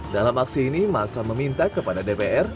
dalam aksi ini masa meminta kepada dpr